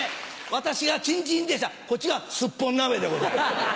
私がチンチン電車こっちがすっぽん鍋でございます。